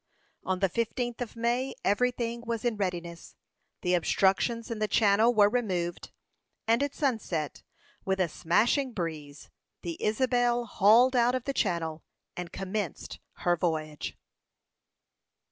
On the fifteenth of May every thing was in readiness; the obstructions in the channel were removed; and at sunset, with a smashing breeze, the Isabel hauled out of the channel, and commenced her voyage.